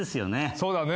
そうだね。